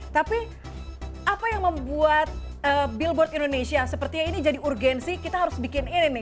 tapi apa yang membuat billboard indonesia sepertinya ini jadi urgensi kita harus bikin ini nih